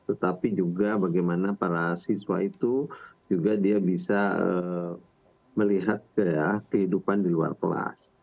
tetapi juga bagaimana para siswa itu juga dia bisa melihat ke kehidupan di luar kelas